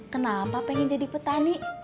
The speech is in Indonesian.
kenapa pengen jadi petani